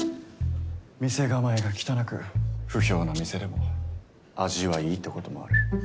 店構えが汚く不評な店でも味はいいってこともある。